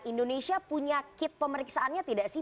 indonesia punya kit pemeriksaannya tidak sih